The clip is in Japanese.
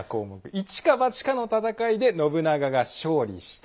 「一か八かの戦いで信長が勝利した」。